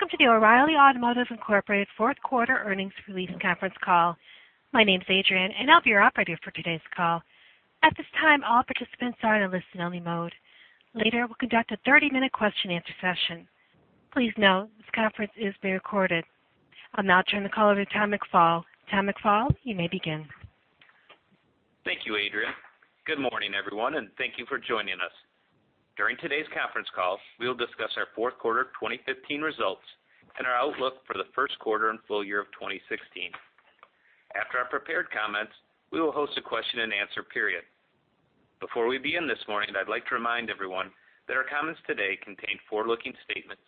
Welcome to the O'Reilly Automotive Incorporated fourth quarter earnings release conference call. My name's Adrienne, and I'll be your operator for today's call. At this time, all participants are in listen-only mode. Later, we'll conduct a 30-minute question-answer session. Please note, this conference is being recorded. I'll now turn the call over to Tom McFall. Tom McFall, you may begin. Thank you, Adrienne. Good morning, everyone, and thank you for joining us. During today's conference call, we will discuss our fourth quarter 2015 results and our outlook for the first quarter and full year of 2016. After our prepared comments, we will host a question and answer period. Before we begin this morning, I'd like to remind everyone that our comments today contain forward-looking statements,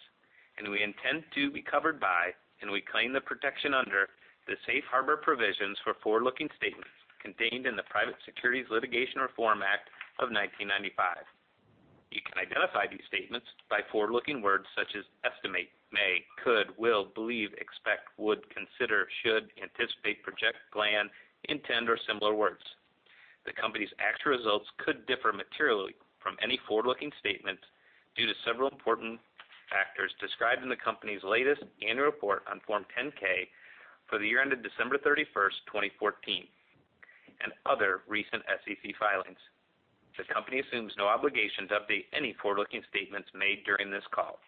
and we intend to be covered by and we claim the protection under the safe harbor provisions for forward-looking statements contained in the Private Securities Litigation Reform Act of 1995. You can identify these statements by forward-looking words such as estimate, may, could, will, believe, expect, would, consider, should, anticipate, project, plan, intend, or similar words. The company's actual results could differ materially from any forward-looking statements due to several important factors described in the company's latest annual report on Form 10-K for the year ended December 31st, 2014, and other recent SEC filings. The company assumes no obligation to update any forward-looking statements made during this call.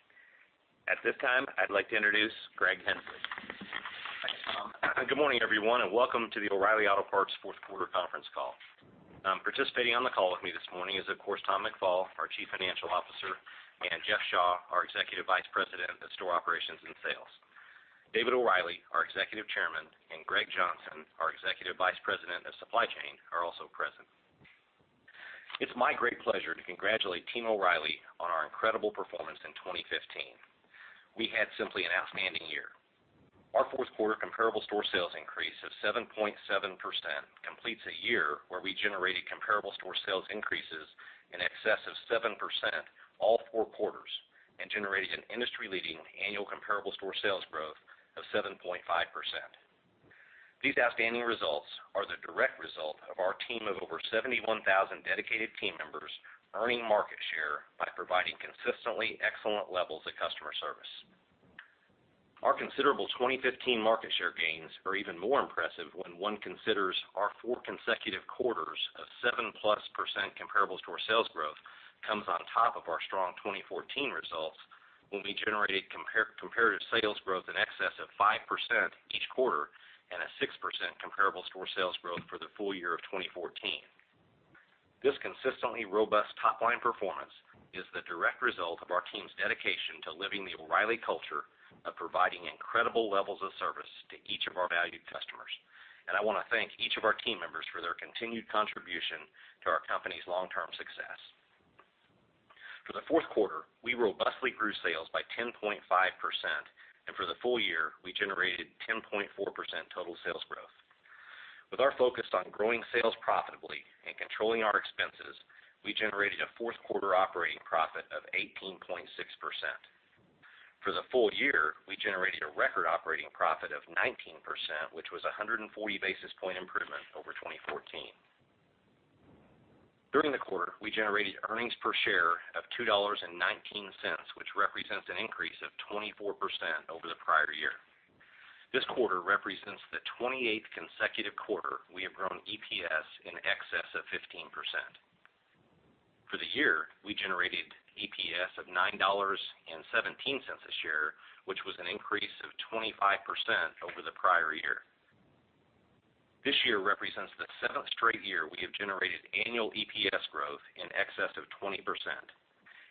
At this time, I'd like to introduce Greg Henslee. Thanks, Tom. Good morning, everyone, and welcome to the O'Reilly Auto Parts fourth quarter conference call. Participating on the call with me this morning is, of course, Tom McFall, our Chief Financial Officer, and Jeff Shaw, our Executive Vice President of Store Operations and Sales. David O'Reilly, our Executive Chairman, and Greg Johnson, our Executive Vice President of Supply Chain, are also present. It's my great pleasure to congratulate Team O'Reilly on our incredible performance in 2015. We had simply an outstanding year. Our fourth quarter comparable store sales increase of 7.7% completes a year where we generated comparable store sales increases in excess of 7% all four quarters and generated an industry-leading annual comparable store sales growth of 7.5%. These outstanding results are the direct result of our team of over 71,000 dedicated team members earning market share by providing consistently excellent levels of customer service. Our considerable 2015 market share gains are even more impressive when one considers our four consecutive quarters of 7-plus% comparable store sales growth comes on top of our strong 2014 results, when we generated comparative sales growth in excess of 5% each quarter and a 6% comparable store sales growth for the full year of 2014. This consistently robust top-line performance is the direct result of our team's dedication to living the O'Reilly culture of providing incredible levels of service to each of our valued customers, and I want to thank each of our team members for their continued contribution to our company's long-term success. For the fourth quarter, we robustly grew sales by 10.5%, and for the full year, we generated 10.4% total sales growth. With our focus on growing sales profitably and controlling our expenses, we generated a fourth quarter operating profit of 18.6%. For the full year, we generated a record operating profit of 19%, which was a 140-basis point improvement over 2014. During the quarter, we generated earnings per share of $2.19, which represents an increase of 24% over the prior year. This quarter represents the 28th consecutive quarter we have grown EPS in excess of 15%. For the year, we generated EPS of $9.17 this year, which was an increase of 25% over the prior year. This year represents the seventh straight year we have generated annual EPS growth in excess of 20%,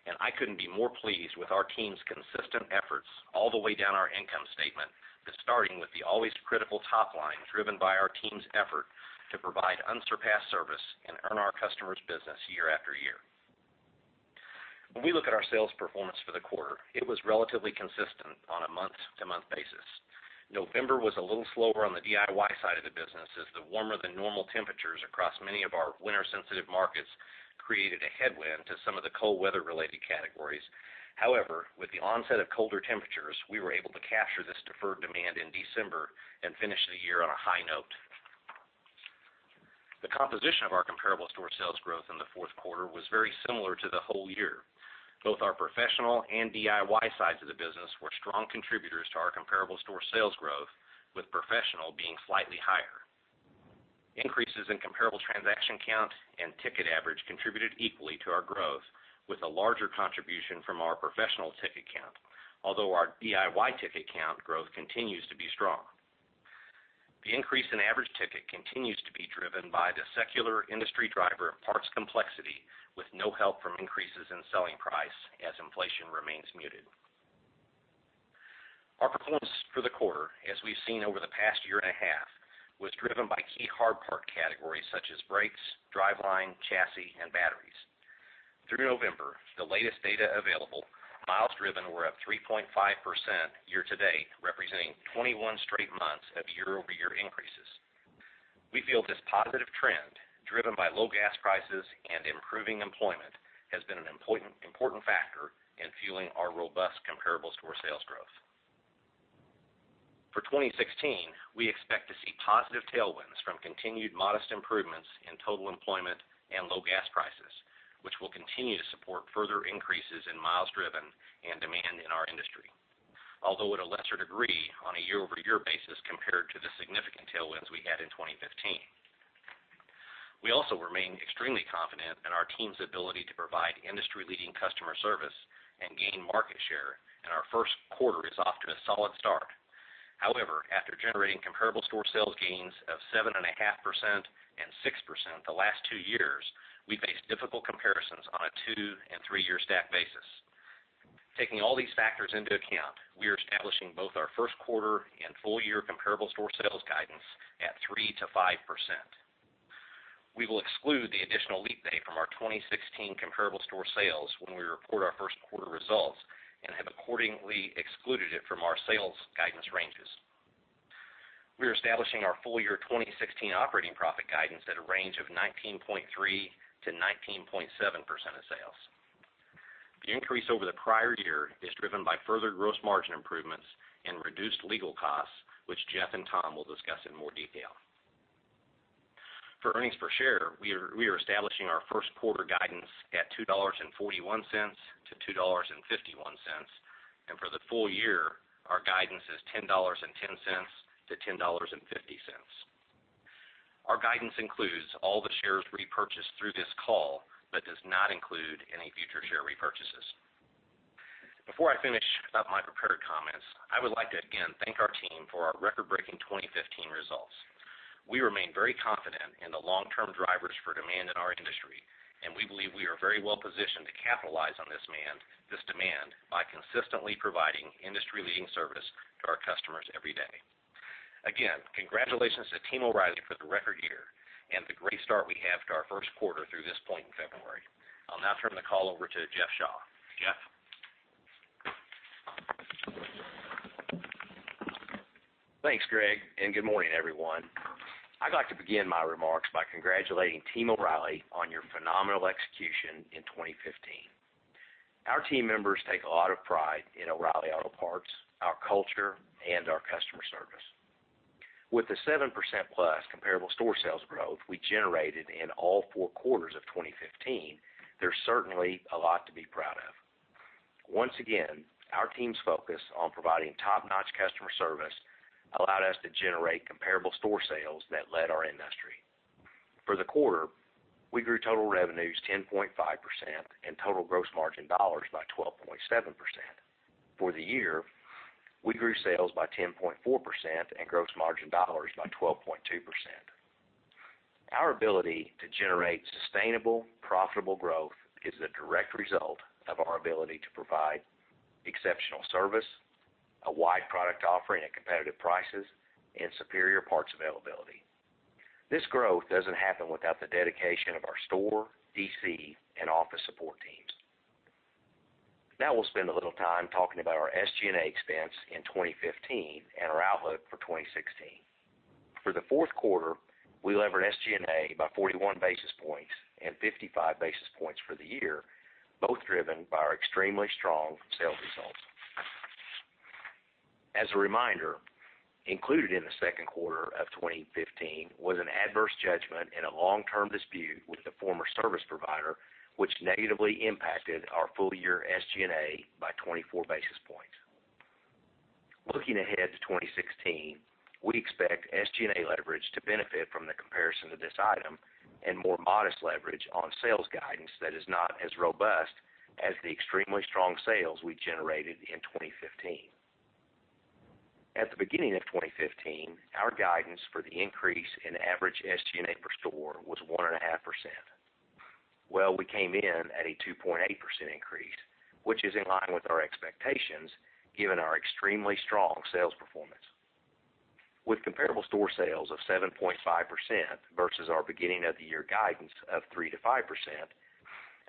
and I couldn't be more pleased with our team's consistent efforts all the way down our income statement, starting with the always critical top line, driven by our team's effort to provide unsurpassed service and earn our customers' business year after year. When we look at our sales performance for the quarter, it was relatively consistent on a month-to-month basis. November was a little slower on the DIY side of the business as the warmer-than-normal temperatures across many of our winter-sensitive markets created a headwind to some of the cold weather-related categories. However, with the onset of colder temperatures, we were able to capture this deferred demand in December and finish the year on a high note. The composition of our comparable store sales growth in the fourth quarter was very similar to the whole year. Both our professional and DIY sides of the business were strong contributors to our comparable store sales growth, with professional being slightly higher. Increases in comparable transaction count and ticket average contributed equally to our growth, with a larger contribution from our professional ticket count. Although our DIY ticket count growth continues to be strong. The increase in average ticket continues to be driven by the secular industry driver of parts complexity with no help from increases in selling price as inflation remains muted. Our performance for the quarter, as we've seen over the past year and a half, was driven by key hard part categories such as brakes, driveline, chassis, and batteries. Through November, the latest data available, miles driven were up 3.5% year to date, representing 21 straight months of year-over-year increases. We feel this positive trend, driven by low gas prices and improving employment, has been an important factor in fueling our robust comparable store sales growth. For 2016, we expect to see positive tailwinds from continued modest improvements in total employment and low gas prices, which will continue to support further increases in miles driven and demand in our industry. Although at a lesser degree on a year-over-year basis compared to the significant tailwinds we had in 2015. We also remain extremely confident in our team's ability to provide industry-leading customer service and gain market share. Our first quarter is off to a solid start. However, after generating comparable store sales gains of 7.5% and 6% the last two years, we face difficult comparisons on a two- and three-year stack basis. Taking all these factors into account, we are establishing both our first quarter and full year comparable store sales guidance at 3%-5%. We will exclude the additional leap day from our 2016 comparable store sales when we report our first quarter results and have accordingly excluded it from our sales guidance ranges. We are establishing our full year 2016 operating profit guidance at a range of 19.3%-19.7% of sales. The increase over the prior year is driven by further gross margin improvements and reduced legal costs, which Jeff Shaw and Tom McFall will discuss in more detail. For earnings per share, we are establishing our first quarter guidance at $2.41-$2.51. For the full year, our guidance is $10.10-$10.50. Our guidance includes all the shares repurchased through this call but does not include any future share repurchases. Before I finish up my prepared comments, I would like to again thank our team for our record-breaking 2015 results. We remain very confident in the long-term drivers for demand in our industry. We believe we are very well positioned to capitalize on this demand by consistently providing industry-leading service to our customers every day. Again, congratulations to Team O’Reilly for the record year and the great start we have to our first quarter through this point in February. I'll now turn the call over to Jeff Shaw. Jeff? Thanks, Greg Henslee. Good morning, everyone. I'd like to begin my remarks by congratulating Team O’Reilly on your phenomenal execution in 2015. Our team members take a lot of pride in O’Reilly Auto Parts, our culture, and our customer service. With the 7% plus comparable store sales growth we generated in all four quarters of 2015, there's certainly a lot to be proud of. Once again, our team's focus on providing top-notch customer service allowed us to generate comparable store sales that led our industry. For the quarter, we grew total revenues 10.5% and total gross margin dollars by 12.7%. For the year, we grew sales by 10.4% and gross margin dollars by 12.2%. Our ability to generate sustainable, profitable growth is the direct result of our ability to provide exceptional service, a wide product offering at competitive prices, and superior parts availability. This growth doesn't happen without the dedication of our store, DC, and office support teams. We'll spend a little time talking about our SG&A expense in 2015 and our outlook for 2016. For the fourth quarter, we levered SG&A by 41 basis points and 55 basis points for the year, both driven by our extremely strong sales results. As a reminder, included in the second quarter of 2015 was an adverse judgment in a long-term dispute with the former service provider, which negatively impacted our full-year SG&A by 24 basis points. Looking ahead to 2016, we expect SG&A leverage to benefit from the comparison of this item and more modest leverage on sales guidance that is not as robust as the extremely strong sales we generated in 2015. At the beginning of 2015, our guidance for the increase in average SG&A per store was 1.5%. Well, we came in at a 2.8% increase, which is in line with our expectations given our extremely strong sales performance. With comparable store sales of 7.5% versus our beginning of the year guidance of 3%-5%,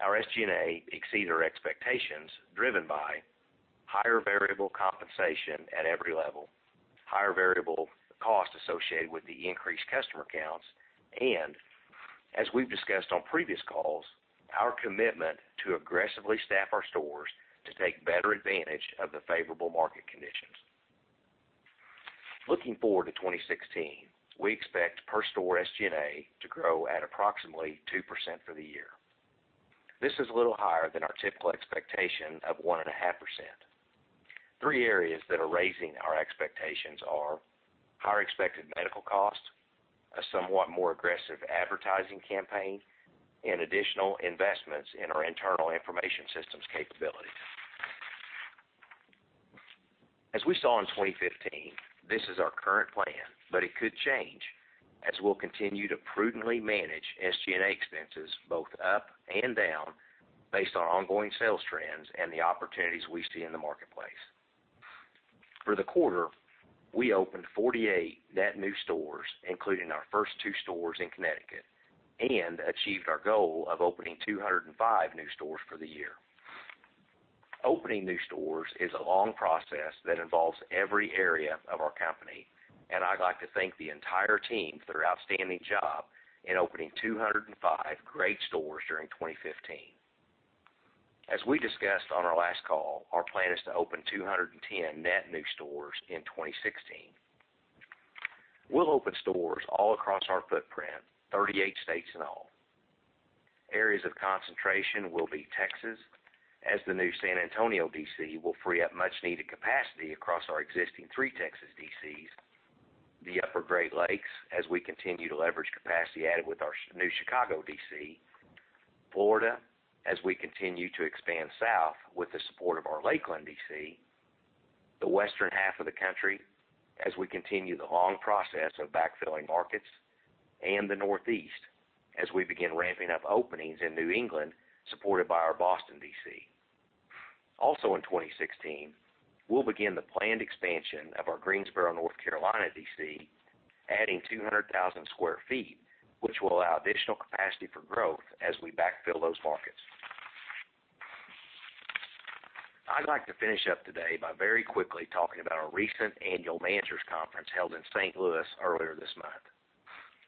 our SG&A exceeded our expectations driven by higher variable compensation at every level, higher variable cost associated with the increased customer counts, and as we've discussed on previous calls, our commitment to aggressively staff our stores to take better advantage of the favorable market conditions. Looking forward to 2016, we expect per store SG&A to grow at approximately 2% for the year. This is a little higher than our typical expectation of 1.5%. Three areas that are raising our expectations are higher expected medical costs, a somewhat more aggressive advertising campaign, and additional investments in our internal information systems capabilities. As we saw in 2015, this is our current plan, it could change as we'll continue to prudently manage SG&A expenses both up and down based on ongoing sales trends and the opportunities we see in the marketplace. For the quarter, we opened 48 net new stores, including our first two stores in Connecticut, and achieved our goal of opening 205 new stores for the year. Opening new stores is a long process that involves every area of our company, and I'd like to thank the entire team for their outstanding job in opening 205 great stores during 2015. As we discussed on our last call, our plan is to open 210 net new stores in 2016. We'll open stores all across our footprint, 38 states in all. Areas of concentration will be Texas, as the new San Antonio DC will free up much needed capacity across our existing three Texas DCs. The Upper Great Lakes, as we continue to leverage capacity added with our new Chicago DC. Florida, as we continue to expand south with the support of our Lakeland DC. The western half of the country, as we continue the long process of backfilling markets. The Northeast, as we begin ramping up openings in New England, supported by our Boston DC. Also in 2016, we'll begin the planned expansion of our Greensboro, North Carolina DC, adding 200,000 square feet, which will allow additional capacity for growth as we backfill those markets. I'd like to finish up today by very quickly talking about our recent Annual Managers Conference held in St. Louis earlier this month.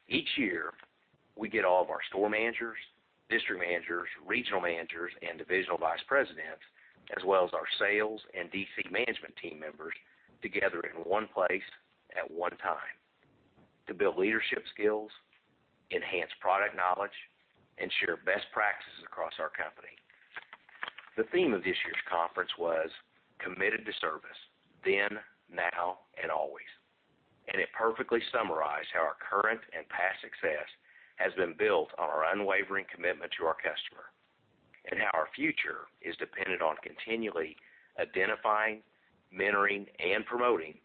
Each year, we get all of our store managers, district managers, regional managers, and divisional vice presidents, as well as our sales and DC management team members together in one place at one time to build leadership skills, enhance product knowledge, and share best practices across our company. The theme of this year's conference was Committed to Service: Then, Now and Always. It perfectly summarized how our current and past success has been built on our unwavering commitment to our customer, how our future is dependent on continually identifying, mentoring, and promoting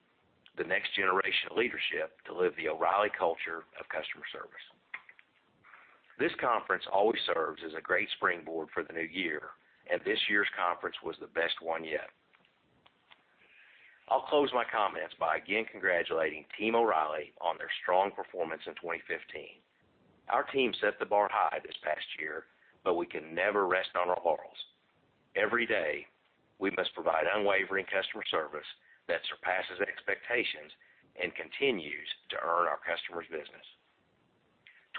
the next generation of leadership to live the O’Reilly culture of customer service. This conference always serves as a great springboard for the new year. This year's conference was the best one yet. I'll close my comments by again congratulating Team O’Reilly on their strong performance in 2015. Our team set the bar high this past year. We can never rest on our laurels. Every day, we must provide unwavering customer service that surpasses expectations and continues to earn our customers' business.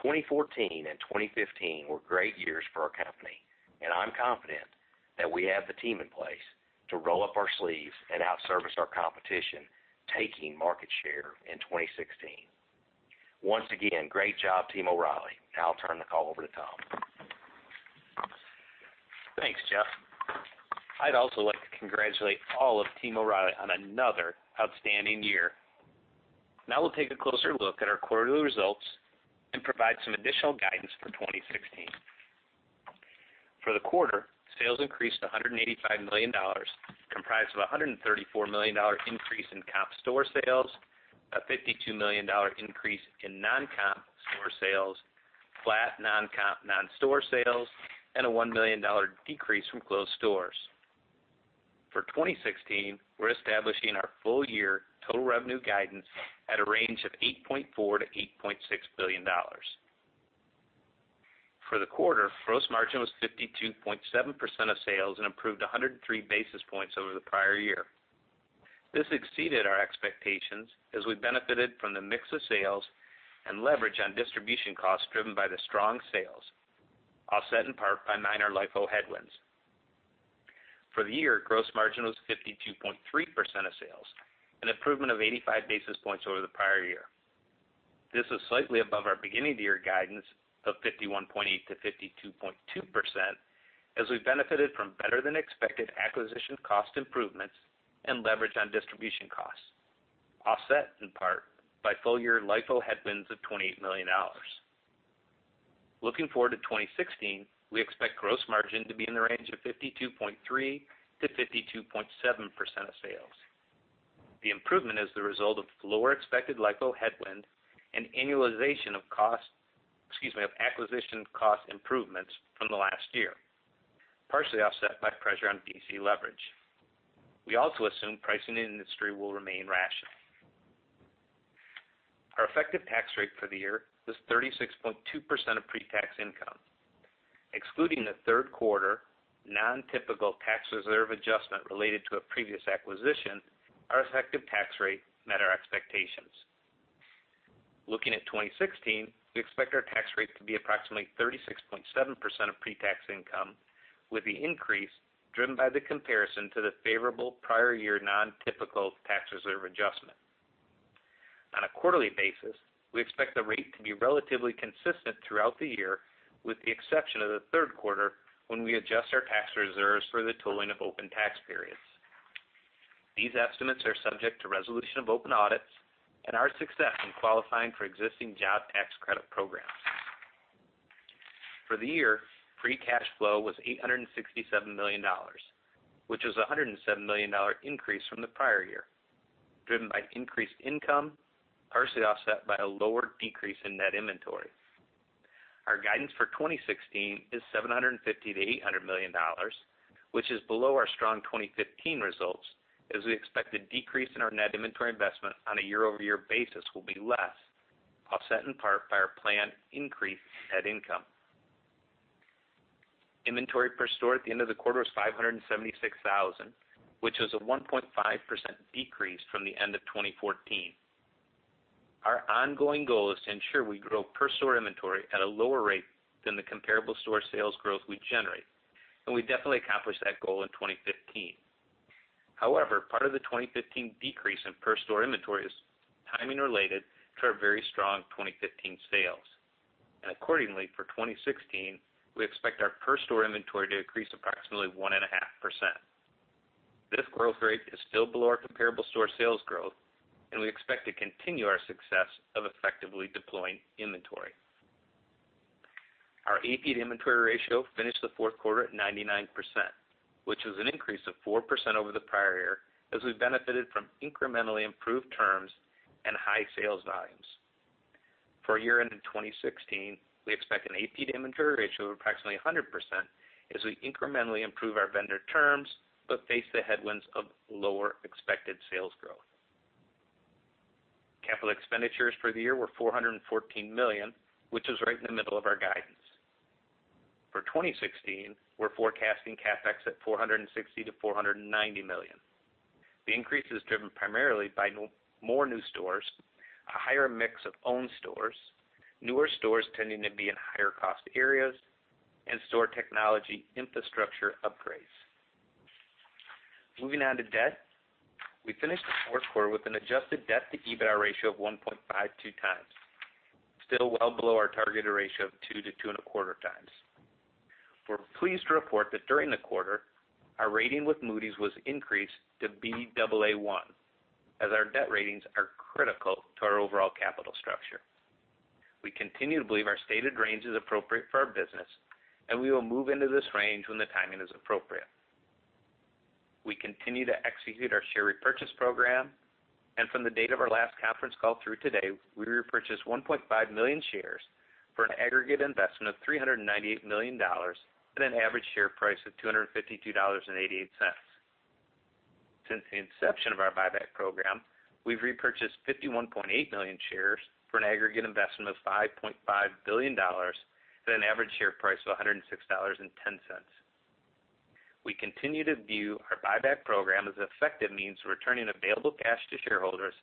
2014 and 2015 were great years for our company. I'm confident that we have the team in place to roll up our sleeves and outservice our competition, taking market share in 2016. Once again, great job, Team O’Reilly. I'll turn the call over to Tom. Thanks, Jeff. I'd also like to congratulate all of Team O’Reilly on another outstanding year. We'll take a closer look at our quarterly results and provide some additional guidance for 2016. For the quarter, sales increased to $185 million, comprised of a $134 million increase in comp store sales, a $52 million increase in non-comp store sales, flat non-comp non-store sales, and a $1 million decrease from closed stores. For 2016, we're establishing our full year total revenue guidance at a range of $8.4 billion-$8.6 billion. For the quarter, gross margin was 52.7% of sales and improved 103 basis points over the prior year. This exceeded our expectations as we benefited from the mix of sales and leverage on distribution costs driven by the strong sales, offset in part by minor LIFO headwinds. For the year, gross margin was 52.3% of sales, an improvement of 85 basis points over the prior year. This is slightly above our beginning of the year guidance of 51.8%-52.2%, as we benefited from better than expected acquisition cost improvements and leverage on distribution costs, offset in part by full year LIFO headwinds of $28 million. Looking forward to 2016, we expect gross margin to be in the range of 52.3%-52.7% of sales. The improvement is the result of lower expected LIFO headwind and annualization of acquisition cost improvements from the last year, partially offset by pressure on DC leverage. We also assume pricing in the industry will remain rational. Our effective tax rate for the year was 36.2% of pre-tax income. Excluding the third quarter non-typical tax reserve adjustment related to a previous acquisition, our effective tax rate met our expectations. Looking at 2016, we expect our tax rate to be approximately 36.7% of pre-tax income, with the increase driven by the comparison to the favorable prior year non-typical tax reserve adjustment. On a quarterly basis, we expect the rate to be relatively consistent throughout the year, with the exception of the third quarter when we adjust our tax reserves for the totaling of open tax periods. These estimates are subject to resolution of open audits and our success in qualifying for existing job tax credit programs. For the year, free cash flow was $867 million, which was a $107 million increase from the prior year, driven by increased income, partially offset by a lower decrease in net inventory. Our guidance for 2016 is $750 million-$800 million, which is below our strong 2015 results, as we expect the decrease in our net inventory investment on a year-over-year basis will be less, offset in part by our planned increase in net income. Inventory per store at the end of the quarter was 576,000, which was a 1.5% decrease from the end of 2014. Our ongoing goal is to ensure we grow per store inventory at a lower rate than the comparable store sales growth we generate, and we definitely accomplished that goal in 2015. However, part of the 2015 decrease in per store inventory is timing related to our very strong 2015 sales. Accordingly, for 2016, we expect our per store inventory to increase approximately 1.5%. This growth rate is still below our comparable store sales growth, and we expect to continue our success of effectively deploying inventory. Our AP inventory ratio finished the fourth quarter at 99%, which is an increase of 4% over the prior year, as we benefited from incrementally improved terms and high sales volumes. For year-end in 2016, we expect an AP to inventory ratio of approximately 100% as we incrementally improve our vendor terms but face the headwinds of lower expected sales growth. Capital expenditures for the year were $414 million, which is right in the middle of our guidance. For 2016, we're forecasting CapEx at $460 million-$490 million. The increase is driven primarily by more new stores, a higher mix of owned stores, newer stores tending to be in higher cost areas, and store technology infrastructure upgrades. Moving on to debt. We finished the fourth quarter with an adjusted debt to EBITDA ratio of 1.52 times. Still well below our targeted ratio of two to 2.25 times. We're pleased to report that during the quarter, our rating with Moody's was increased to Baa1, as our debt ratings are critical to our overall capital structure. We continue to believe our stated range is appropriate for our business, and we will move into this range when the timing is appropriate. We continue to execute our share repurchase program. From the date of our last conference call through today, we repurchased 1.5 million shares for an aggregate investment of $398 million at an average share price of $252.88. Since the inception of our buyback program, we've repurchased 51.8 million shares for an aggregate investment of $5.5 billion at an average share price of $106.10. We continue to view our buyback program as an effective means of returning available cash to shareholders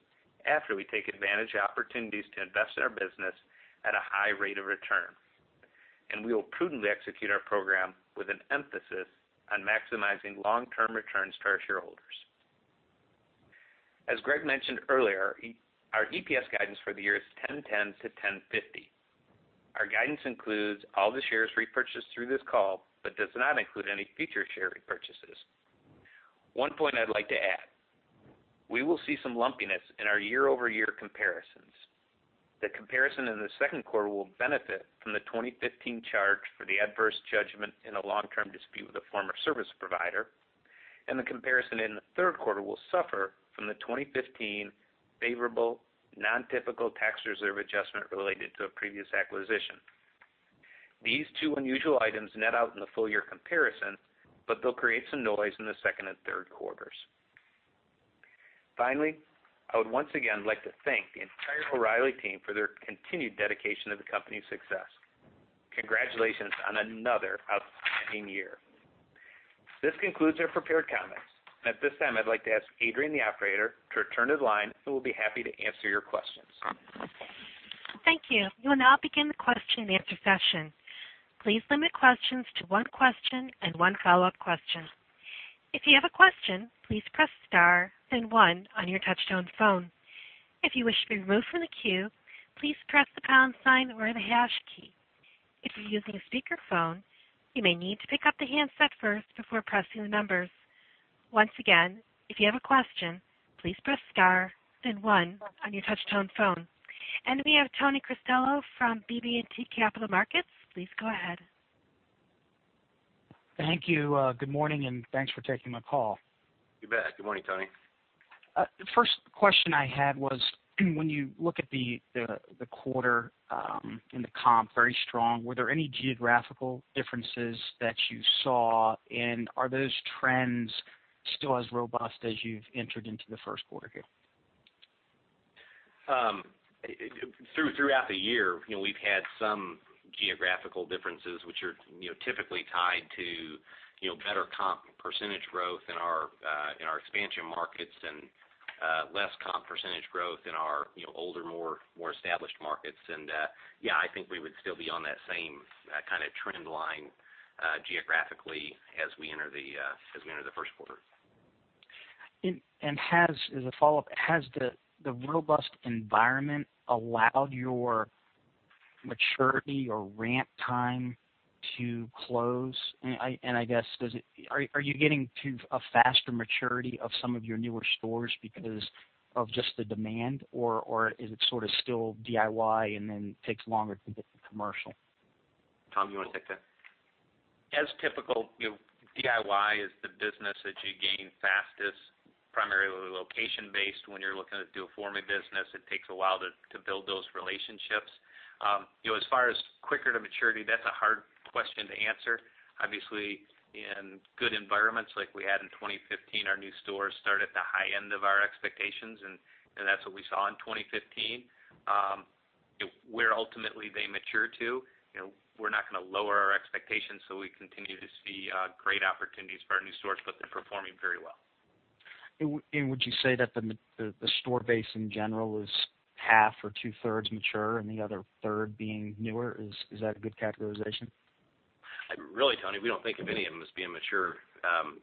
after we take advantage of opportunities to invest in our business at a high rate of return. We will prudently execute our program with an emphasis on maximizing long-term returns to our shareholders. As Greg mentioned earlier, our EPS guidance for the year is $10.10 to $10.50. Our guidance includes all the shares repurchased through this call but does not include any future share repurchases. One point I'd like to add. We will see some lumpiness in our year-over-year comparisons. The comparison in the second quarter will benefit from the 2015 charge for the adverse judgment in a long-term dispute with a former service provider, and the comparison in the third quarter will suffer from the 2015 favorable nontypical tax reserve adjustment related to a previous acquisition. These two unusual items net out in the full year comparison, but they'll create some noise in the second and third quarters. Finally, I would once again like to thank the entire O'Reilly team for their continued dedication to the company's success. Congratulations on another outstanding year. This concludes our prepared comments. At this time, I'd like to ask Adrian, the operator, to return to the line, and we'll be happy to answer your questions. Thank you. We will now begin the question and answer session. Please limit questions to one question and one follow-up question. If you have a question, please press star then one on your touchtone phone. If you wish to be removed from the queue, please press the pound sign or the hash key. If you're using a speakerphone, you may need to pick up the handset first before pressing the numbers. Once again, if you have a question, please press star then one on your touchtone phone. We have Anthony Cristello from BB&T Capital Markets. Please go ahead. Thank you. Good morning, and thanks for taking my call. You bet. Good morning, Tony. The first question I had was, when you look at the quarter and the comp, very strong, were there any geographical differences that you saw? Are those trends still as robust as you've entered into the first quarter here? Throughout the year, we've had some geographical differences, which are typically tied to better comp percentage growth in our expansion markets and less comp percentage growth in our older, more established markets. Yeah, I think we would still be on that same kind of trend line geographically as we enter the first quarter. As a follow-up, has the robust environment allowed your maturity or ramp time to close? I guess, are you getting to a faster maturity of some of your newer stores because of just the demand, or is it sort of still DIY and then takes longer to get to commercial? Tom, you want to take that? As typical, DIY is the business that you gain fastest, primarily location-based. When you're looking to do a forming business, it takes a while to build those relationships. As far as quicker to maturity, that's a hard question to answer. Obviously, in good environments like we had in 2015, our new stores start at the high end of our expectations. That's what we saw in 2015. Where ultimately they mature to, we're not going to lower our expectations. We continue to see great opportunities for our new stores. They're performing very well. Would you say that the store base in general is half or two-thirds mature and the other third being newer? Is that a good categorization? Really, Tony, we don't think of any of them as being mature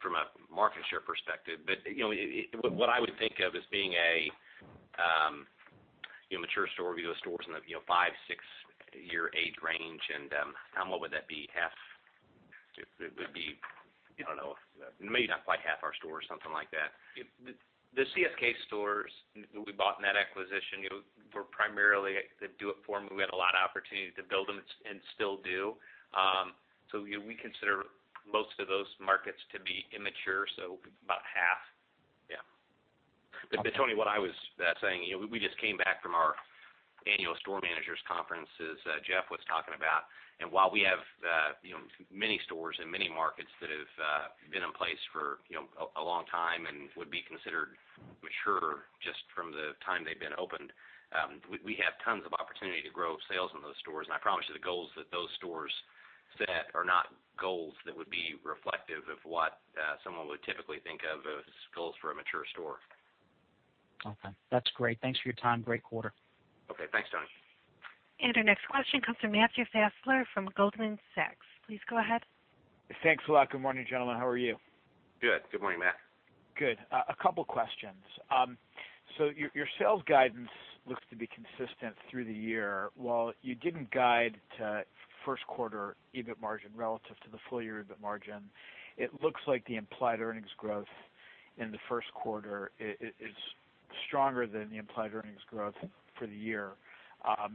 from a market share perspective. What I would think of as being a mature store would be a store in the five, six-year age range. Tom, what would that be? Half? It would be, I don't know, maybe not quite half our stores, something like that. The CSK stores we bought in that acquisition were primarily a do it for them. We had a lot of opportunity to build them and still do. We consider most of those markets to be immature, so about half. Yeah. Tony, what I was saying, we just came back from our annual store managers conference as Jeff was talking about, while we have many stores in many markets that have been in place for a long time and would be considered mature just from the time they've been opened, we have tons of opportunity to grow sales in those stores. I promise you, the goals that those stores set are not goals that would be reflective of what someone would typically think of as goals for a mature store. Okay. That's great. Thanks for your time. Great quarter. Okay. Thanks, Tony. Our next question comes from Matthew Fassler from Goldman Sachs. Please go ahead. Thanks a lot. Good morning, gentlemen. How are you? Good. Good morning, Matt. Good. A couple questions. Your sales guidance looks to be consistent through the year. While you didn't guide to first quarter EBIT margin relative to the full year EBIT margin, it looks like the implied earnings growth in the first quarter is stronger than the implied earnings growth for the year. I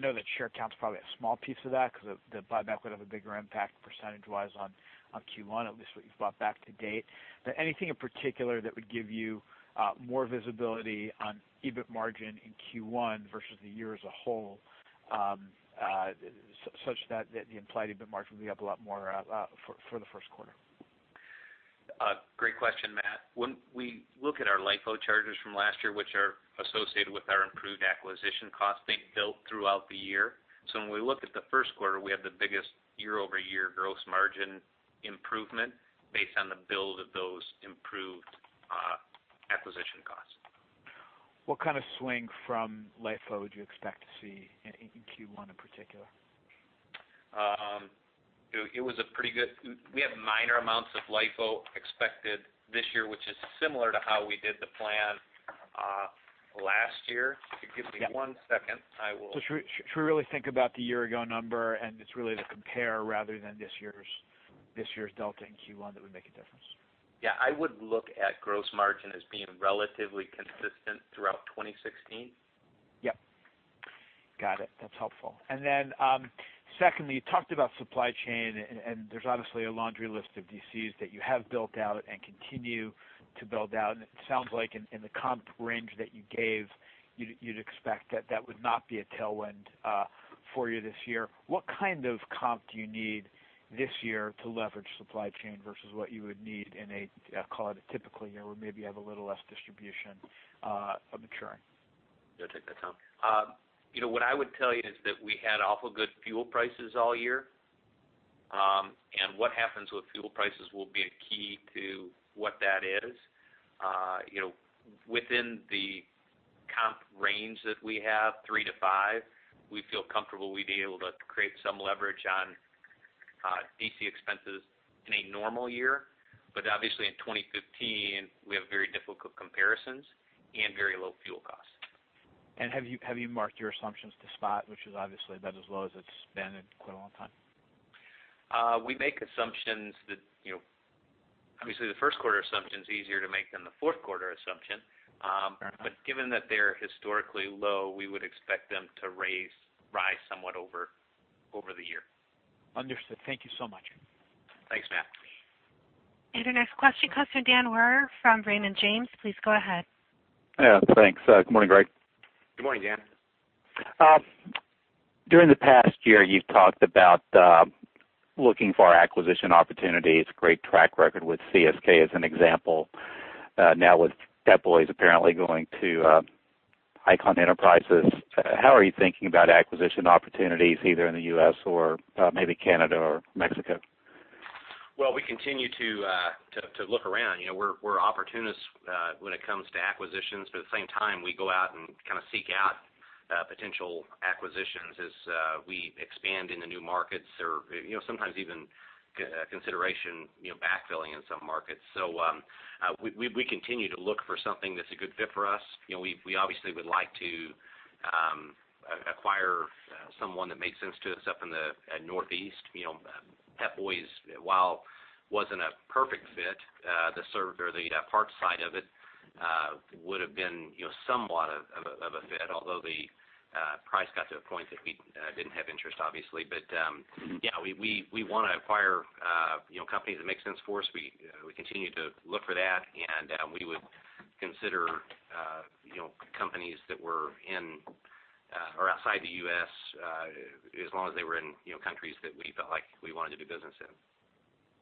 know that share count is probably a small piece of that because the buyback would have a bigger impact percentage-wise on Q1, at least what you've bought back to date. Anything in particular that would give you more visibility on EBIT margin in Q1 versus the year as a whole, such that the implied EBIT margin will be up a lot more for the first quarter? Great question, Matt. When we look at our LIFO charges from last year, which are associated with our improved acquisition costs being built throughout the year. When we look at the first quarter, we have the biggest year-over-year gross margin improvement based on the build of those improved acquisition costs. What kind of swing from LIFO would you expect to see in Q1 in particular? It was pretty good. We have minor amounts of LIFO expected this year, which is similar to how we did the plan last year. If you give me one second. Should we really think about the year-ago number, and it's really the compare rather than this year's delta in Q1 that would make a difference? Yeah, I would look at gross margin as being relatively consistent throughout 2016. Yep. Got it. That's helpful. Then, secondly, you talked about supply chain, there's obviously a laundry list of DCs that you have built out and continue to build out. It sounds like in the comp range that you gave, you'd expect that that would not be a tailwind for you this year. What kind of comp do you need this year to leverage supply chain versus what you would need in a, call it a typical year, where maybe you have a little less distribution maturing? I'll take that, Tom. What I would tell you is that we had awful good fuel prices all year. What happens with fuel prices will be a key to what that is. Within the comp range that we have, 3%-5%, we feel comfortable we'd be able to create some leverage on DC expenses in a normal year. Obviously in 2015, we have very difficult comparisons and very low fuel costs. Have you marked your assumptions to spot, which is obviously about as low as it's been in quite a long time? We make assumptions that, obviously the first quarter assumption is easier to make than the fourth quarter assumption. Fair enough. Given that they're historically low, we would expect them to rise somewhat over the year. Understood. Thank you so much. Thanks, Matt. The next question comes from Dan Wewer from Raymond James. Please go ahead. Yeah. Thanks. Good morning, Greg. Good morning, Dan. During the past year, you've talked about looking for acquisition opportunities, great track record with CSK as an example. Now with Pep Boys apparently going to Icahn Enterprises, how are you thinking about acquisition opportunities either in the U.S. or maybe Canada or Mexico? Well, we continue to look around. We're opportunists when it comes to acquisitions, but at the same time, we go out and kind of seek out potential acquisitions as we expand into new markets or sometimes even consideration backfilling in some markets. We continue to look for something that's a good fit for us. We obviously would like to acquire someone that makes sense to us up in the Northeast. Pep Boys, while wasn't a perfect fit, the parts side of it would have been somewhat of a fit, although the price got to a point that we didn't have interest, obviously. Yeah, we want to acquire companies that make sense for us. We continue to look for that, and we would consider companies that were in or outside the U.S. as long as they were in countries that we felt like we wanted to do business in.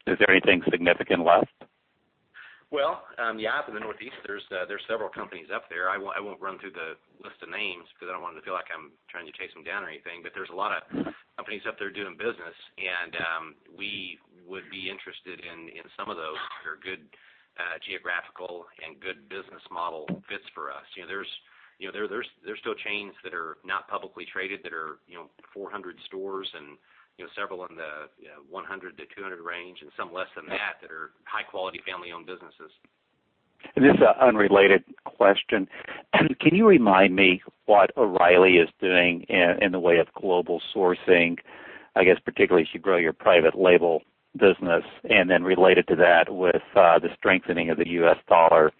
Is there anything significant left? Well, yeah, up in the Northeast, there's several companies up there. I won't run through the list of names because I don't want it to feel like I'm trying to chase them down or anything, but there's a lot of companies up there doing business, and we would be interested in some of those that are good geographical and good business model fits for us. There's still chains that are not publicly traded that are 400 stores and several in the 100-200 range and some less than that are high-quality family-owned businesses. This is an unrelated question. Can you remind me what O'Reilly is doing in the way of global sourcing, I guess particularly as you grow your private label business, related to that, with the strengthening of the US dollar,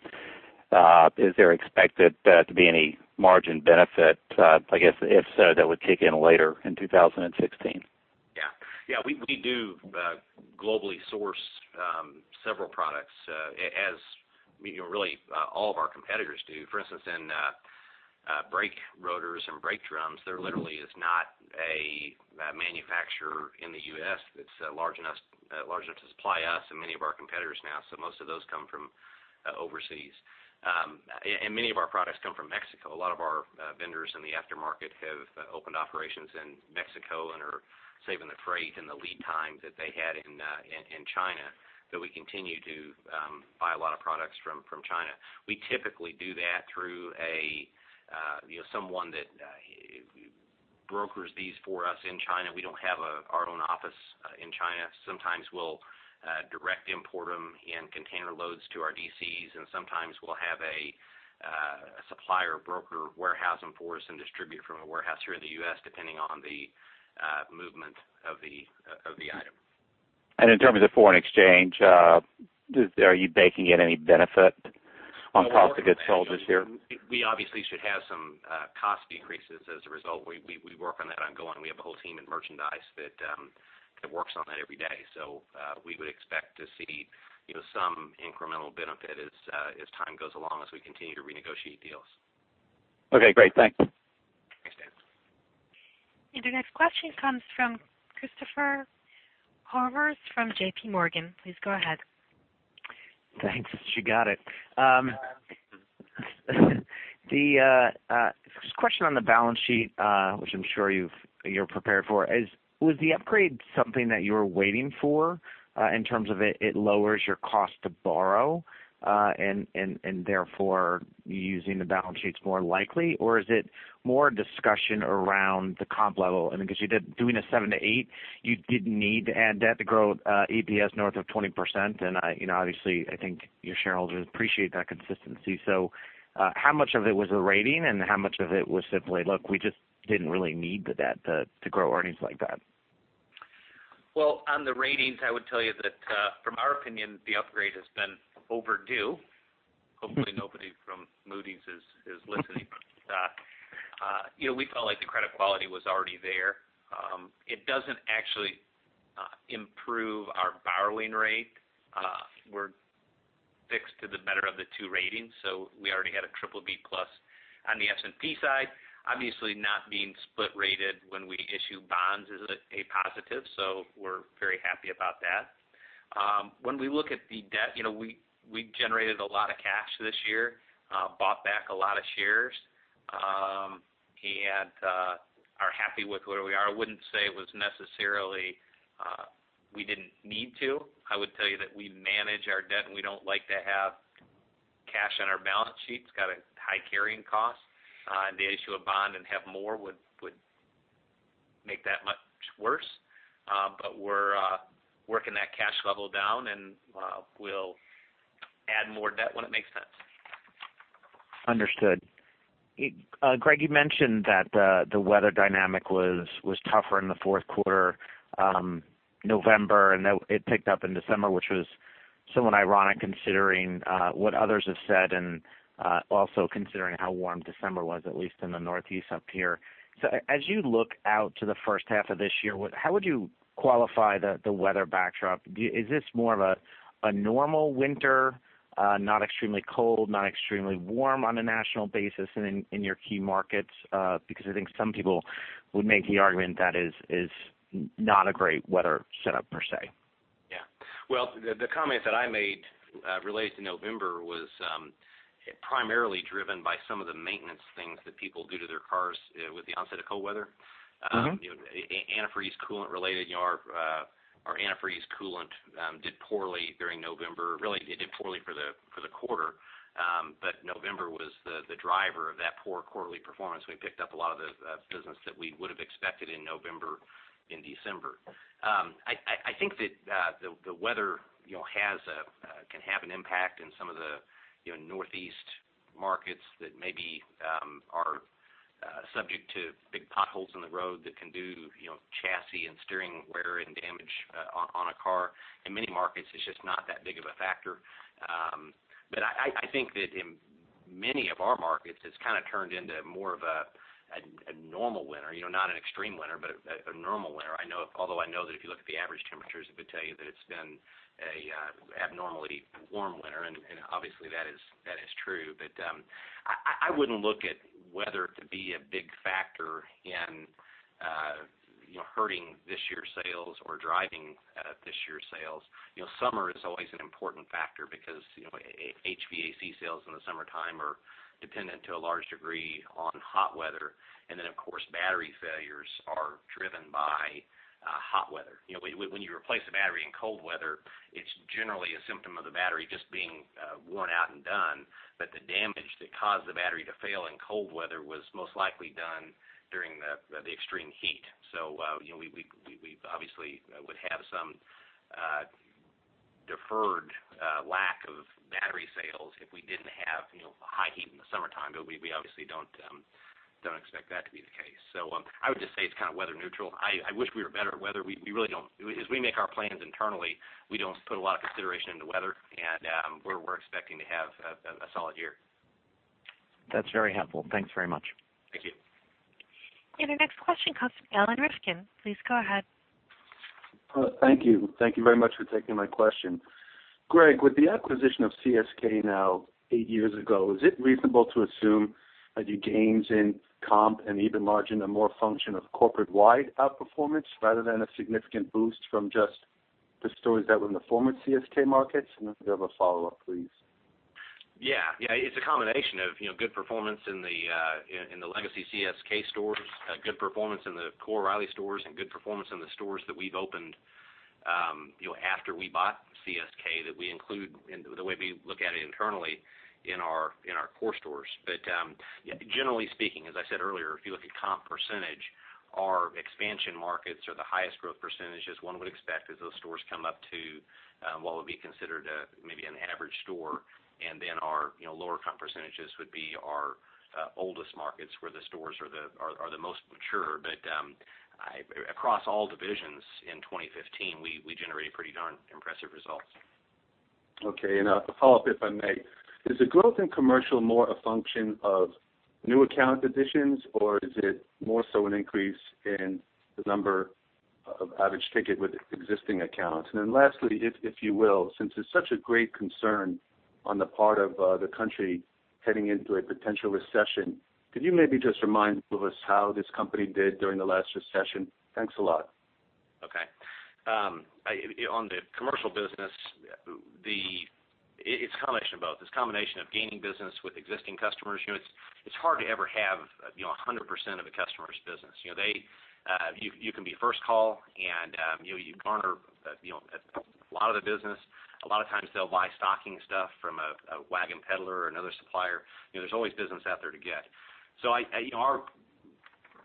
is there expected to be any margin benefit? I guess if so, that would kick in later in 2016. We do globally source several products, as really all of our competitors do. For instance, in brake rotors and brake drums, there literally is not a manufacturer in the U.S. that's large enough to supply us and many of our competitors now, so most of those come from overseas. Many of our products come from Mexico. A lot of our vendors in the aftermarket have opened operations in Mexico and are saving the freight and the lead times that they had in China, but we continue to buy a lot of products from China. We typically do that through someone that brokers these for us in China. We don't have our own office in China. Sometimes we'll direct import them in container loads to our DCs, and sometimes we'll have a supplier broker warehouse them for us and distribute from a warehouse here in the U.S., depending on the movement of the item. In terms of foreign exchange, are you baking in any benefit on cost of goods sold this year? We obviously should have some cost increases as a result. We work on that ongoing. We have a whole team in merchandise that works on that every day, so we would expect to see some incremental benefit as time goes along as we continue to renegotiate deals. Okay, great. Thanks. Thanks, Dan. Your next question comes from Christopher Horvers from JPMorgan. Please go ahead. Thanks. She got it. The question on the balance sheet, which I'm sure you're prepared for is, was the upgrade something that you were waiting for, in terms of it lowers your cost to borrow, and therefore you using the balance sheet's more likely? Or is it more a discussion around the comp level? Because you're doing a seven to eight, you didn't need to add debt to grow EPS north of 20%, and obviously, I think your shareholders appreciate that consistency. How much of it was the rating and how much of it was simply, look, we just didn't really need the debt to grow earnings like that? Well, on the ratings, I would tell you that from our opinion, the upgrade has been overdue. Hopefully nobody from Moody's is listening. We felt like the credit quality was already there. It doesn't actually improve our borrowing rate. We're fixed to the better of the two ratings, so we already had a BBB+ on the S&P side. Obviously, not being split-rated when we issue bonds is a positive, so we're very happy about that. When we look at the debt, we generated a lot of cash this year, bought back a lot of shares, and are happy with where we are. I wouldn't say it was necessarily we didn't need to. I would tell you that we manage our debt, and we don't like to have cash on our balance sheets, got a high carrying cost. To issue a bond and have more would make that much worse. We're working that cash level down, and we'll add more debt when it makes sense. Understood. Greg, you mentioned that the weather dynamic was tougher in the fourth quarter, November, and that it picked up in December, which was somewhat ironic considering what others have said and also considering how warm December was, at least in the Northeast up here. As you look out to the first half of this year, how would you qualify the weather backdrop? Is this more of a normal winter, not extremely cold, not extremely warm on a national basis and in your key markets? I think some people would make the argument that is not a great weather setup per se. Yeah. Well, the comments that I made related to November was primarily driven by some of the maintenance things that people do to their cars with the onset of cold weather. Antifreeze coolant related, our antifreeze coolant did poorly during November. Really, it did poorly for the quarter. November was the driver of that poor quarterly performance. We picked up a lot of the business that we would have expected in November, in December. I think that the weather can have an impact in some of the Northeast markets that maybe are subject to big potholes in the road that can do chassis and steering wear and damage on a car. In many markets, it's just not that big of a factor. I think that in many of our markets, it's kind of turned into more of a normal winter, not an extreme winter, but a normal winter. Although I know that if you look at the average temperatures, it would tell you that it's been a abnormally warm winter, and obviously that is true. I wouldn't look at weather to be a big factor in hurting this year's sales or driving this year's sales. Summer is always an important factor because HVAC sales in the summertime are dependent to a large degree on hot weather. Of course, battery failures are driven by hot weather. When you replace a battery in cold weather, it's generally a symptom of the battery just being worn out and done, but the damage that caused the battery to fail in cold weather was most likely done during the extreme heat. We obviously would have some deferred lack of battery sales if we didn't have high heat in the summertime, but we obviously don't expect that to be the case. I would just say it's kind of weather neutral. I wish we were better at weather. As we make our plans internally, we don't put a lot of consideration into weather, and we're expecting to have a solid year. That's very helpful. Thanks very much. Thank you. Our next question comes from Alan Rifkin. Please go ahead. Thank you. Thank you very much for taking my question. Greg, with the acquisition of CSK now eight years ago, is it reasonable to assume that your gains in comp and EBITDA margin are more a function of corporate-wide outperformance rather than a significant boost from just the stores that were in the former CSK markets? If you have a follow-up, please. It's a combination of good performance in the legacy CSK stores, good performance in the core O'Reilly stores, and good performance in the stores that we've opened after we bought CSK that we include in the way we look at it internally in our core stores. Generally speaking, as I said earlier, if you look at comp percentage, our expansion markets are the highest growth percentages one would expect as those stores come up to what would be considered maybe an average store. Then our lower comp percentages would be our oldest markets where the stores are the most mature. Across all divisions in 2015, we generated pretty darn impressive results. Okay, a follow-up, if I may. Is the growth in commercial more a function of new account additions, or is it more so an increase in the number of average ticket with existing accounts? Lastly, if you will, since it's such a great concern on the part of the country heading into a potential recession, could you maybe just remind us how this company did during the last recession? Thanks a lot. Okay. The commercial business, it's a combination of both. It's a combination of gaining business with existing customers. It's hard to ever have 100% of a customer's business. You can be first call and you garner a lot of the business. A lot of times they'll buy stocking stuff from a wagon peddler or another supplier. There's always business out there to get. Our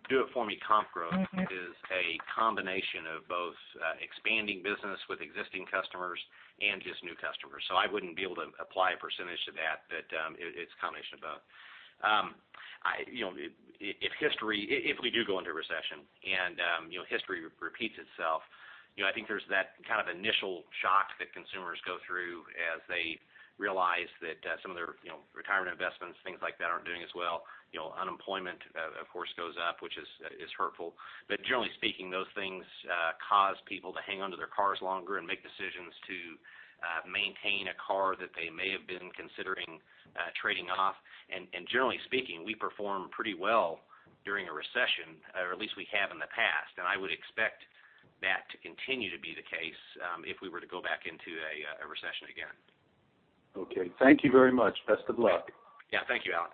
do it for me comp growth is a combination of both expanding business with existing customers and just new customers. I wouldn't be able to apply a percentage to that, but it's a combination of both. If we do go into a recession and history repeats itself, I think there's that kind of initial shock that consumers go through as they realize that some of their retirement investments, things like that, aren't doing as well. Unemployment, of course, goes up, which is hurtful. Generally speaking, those things cause people to hang onto their cars longer and make decisions to maintain a car that they may have been considering trading off. Generally speaking, we perform pretty well during a recession, or at least we have in the past, and I would expect that to continue to be the case if we were to go back into a recession again. Okay. Thank you very much. Best of luck. Yeah. Thank you, Alan.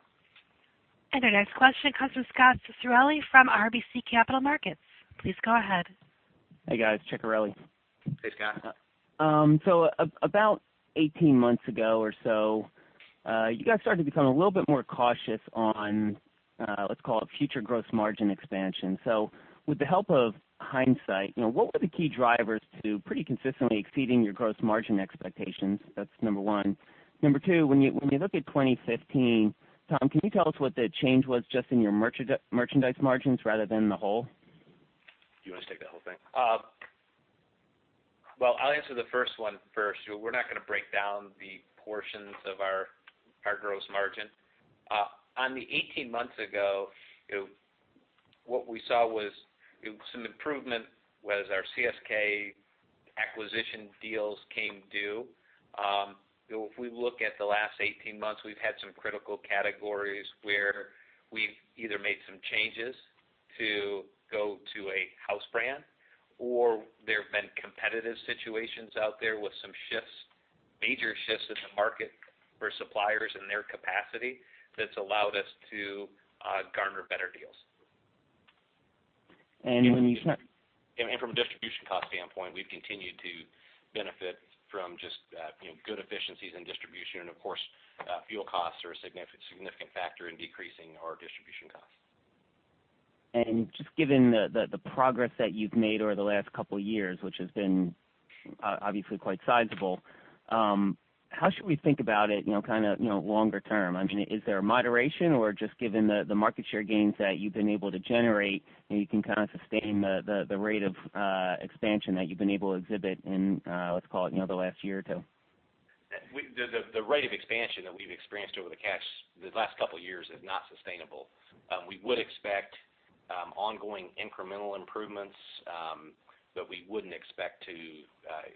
Our next question comes from Scot Ciccarelli from RBC Capital Markets. Please go ahead. Hey, guys. Ciccarelli. Hey, Scot. About 18 months ago or so, you guys started to become a little bit more cautious on, let's call it future gross margin expansion. With the help of hindsight, what were the key drivers to pretty consistently exceeding your gross margin expectations? That's number one. Number two, when you look at 2015, Tom, can you tell us what the change was just in your merchandise margins rather than the whole? Do you want to take that whole thing? I'll answer the first one first. We're not going to break down the portions of our gross margin. On the 18 months ago, what we saw was some improvement was our CSK acquisition deals came due. If we look at the last 18 months, we've had some critical categories where we've either made some changes to go to a house brand, or there have been competitive situations out there with some shifts, major shifts in the market for suppliers and their capacity that's allowed us to garner better deals. From a distribution cost standpoint, we've continued to benefit from just good efficiencies in distribution, and of course, fuel costs are a significant factor in decreasing our distribution costs. Just given the progress that you've made over the last couple of years, which has been obviously quite sizable, how should we think about it longer term? Is there a moderation or just given the market share gains that you've been able to generate, you can kind of sustain the rate of expansion that you've been able to exhibit in, let's call it, the last year or two? The rate of expansion that we've experienced over the last couple of years is not sustainable. We would expect ongoing incremental improvements. We wouldn't expect to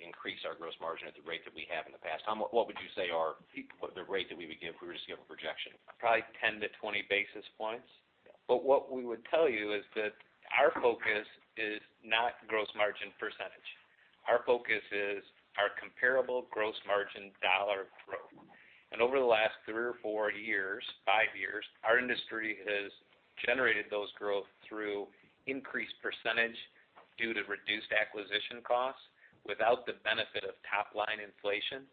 increase our gross margin at the rate that we have in the past. Tom, what would you say the rate that we would give if we were to give a projection? Probably 10-20 basis points. What we would tell you is that our focus is not gross margin percentage. Our focus is our comparable gross margin dollar growth. Over the last three or four years, five years, our industry has generated those growth through increased percentage due to reduced acquisition costs without the benefit of top-line inflation.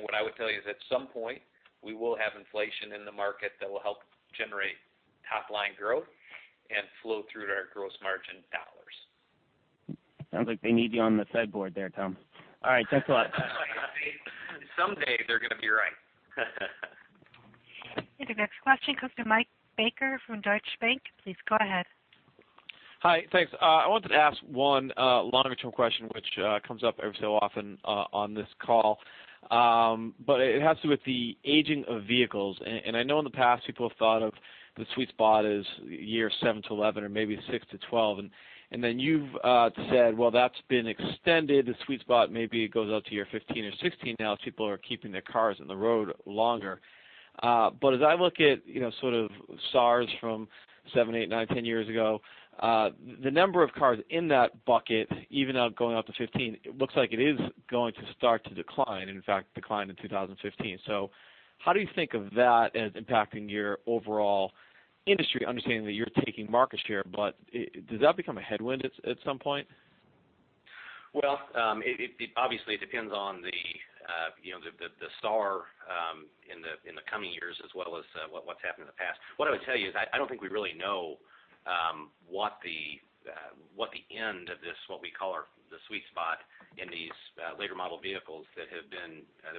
What I would tell you is, at some point, we will have inflation in the market that will help generate top-line growth and flow through to our gross margin dollars. Sounds like they need you on the Fed board there, Tom. All right, thanks a lot. Someday they're going to be right. The next question comes from Mike Baker from Deutsche Bank. Please go ahead. Hi, thanks. I wanted to ask one long-term question which comes up every so often on this call. It has to do with the aging of vehicles. I know in the past, people have thought of the sweet spot as year seven to 11 or maybe six to 12. Then you've said, well, that's been extended. The sweet spot maybe goes out to year 15 or 16 now as people are keeping their cars on the road longer. As I look at sort of SARs from seven, eight, nine, 10 years ago, the number of cars in that bucket, even now going out to 15, it looks like it is going to start to decline, in fact, declined in 2015. How do you think of that as impacting your overall industry, understanding that you're taking market share, but does that become a headwind at some point? It depends on the SAR in the coming years as well as what's happened in the past. What I would tell you is I don't think we really know what the end of this, what we call the sweet spot, in these later model vehicles that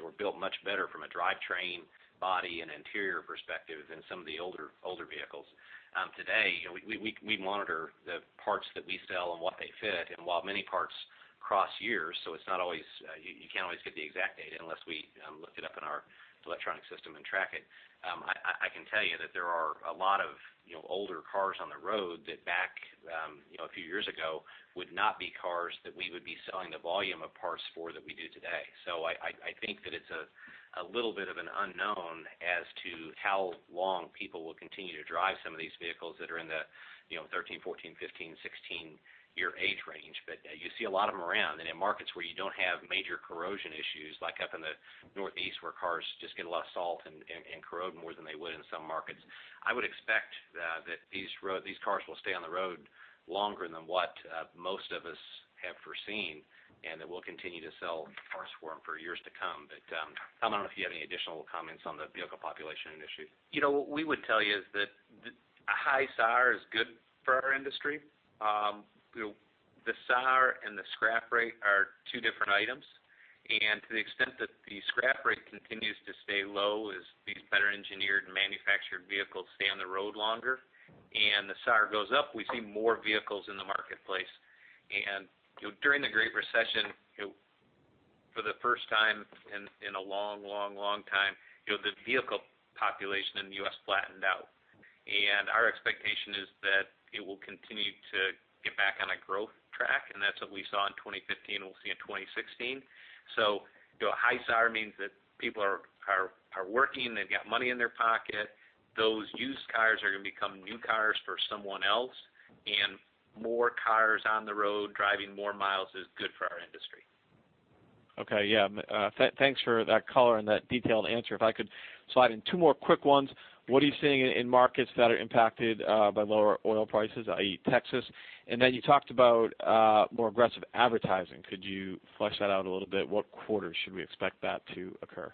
were built much better from a drivetrain, body, and interior perspective than some of the older vehicles. Today, we monitor the parts that we sell and what they fit, and while many parts cross years, you can't always get the exact data unless we look it up in our electronic system and track it. I can tell you that there are a lot of older cars on the road that back a few years ago would not be cars that we would be selling the volume of parts for that we do today. I think that it's a little bit of an unknown as to how long people will continue to drive some of these vehicles that are in the 13, 14, 15, 16-year age range. You see a lot of them around. In markets where you don't have major corrosion issues, like up in the Northeast where cars just get a lot of salt and corrode more than they would in some markets. I would expect that these cars will stay on the road longer than what most of us have foreseen, and that we'll continue to sell parts for them for years to come. Tom, I don't know if you have any additional comments on the vehicle population issue. What we would tell you is that a high SAR is good for our industry. The SAR and the scrap rate are two different items. To the extent that the scrap rate continues to stay low as these better engineered and manufactured vehicles stay on the road longer and the SAR goes up, we see more vehicles in the marketplace. During the Great Recession, for the first time in a long time, the vehicle population in the U.S. flattened out. Our expectation is that it will continue to get back on a growth track, and that's what we saw in 2015, and we'll see in 2016. A high SAR means that people are working, they've got money in their pocket. Those used cars are going to become new cars for someone else, more cars on the road driving more miles is good for our industry. Okay, yeah. Thanks for that color and that detailed answer. If I could slide in two more quick ones. What are you seeing in markets that are impacted by lower oil prices, i.e., Texas? You talked about more aggressive advertising. Could you flesh that out a little bit? What quarter should we expect that to occur?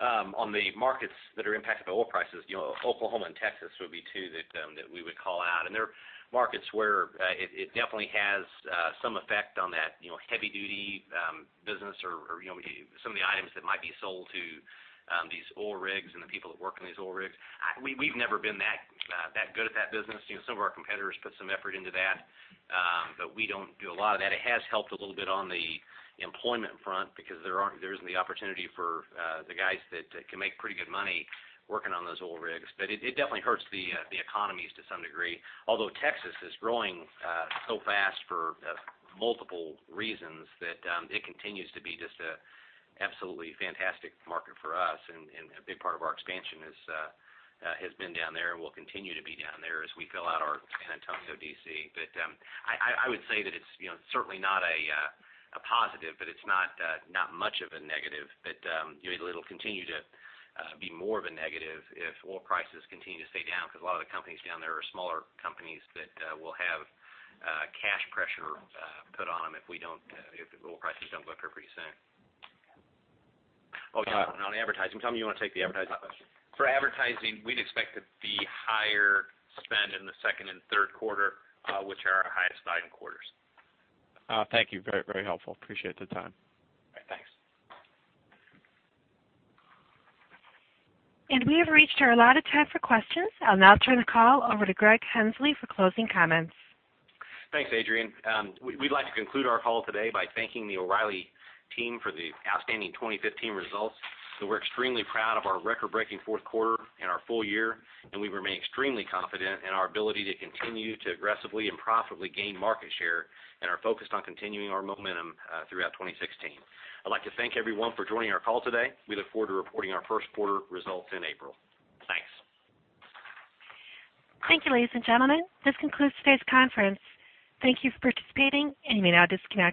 On the markets that are impacted by oil prices, Oklahoma and Texas would be two that we would call out. They're markets where it definitely has some effect on that heavy-duty business or some of the items that might be sold to these oil rigs and the people that work on these oil rigs. We've never been that good at that business. Some of our competitors put some effort into that, we don't do a lot of that. It has helped a little bit on the employment front because there isn't the opportunity for the guys that can make pretty good money working on those oil rigs. It definitely hurts the economies to some degree. Although Texas is growing so fast for multiple reasons that it continues to be just a absolutely fantastic market for us. A big part of our expansion has been down there and will continue to be down there as we fill out our San Antonio DC. I would say that it's certainly not a positive, but it's not much of a negative. It'll continue to be more of a negative if oil prices continue to stay down because a lot of the companies down there are smaller companies that will have cash pressure put on them if oil prices don't look pretty soon. Oh, Tom, on advertising. Tom, you want to take the advertising question? For advertising, we'd expect to be higher spend in the second and third quarter, which are our highest volume quarters. Thank you. Very helpful. Appreciate the time. Thanks. We have reached our allotted time for questions. I'll now turn the call over to Greg Henslee for closing comments. Thanks, Adrienne. We'd like to conclude our call today by thanking the O'Reilly team for the outstanding 2015 results. We're extremely proud of our record-breaking fourth quarter and our full year, and we remain extremely confident in our ability to continue to aggressively and profitably gain market share and are focused on continuing our momentum throughout 2016. I'd like to thank everyone for joining our call today. We look forward to reporting our first quarter results in April. Thanks. Thank you, ladies and gentlemen. This concludes today's conference. Thank you for participating, you may now disconnect.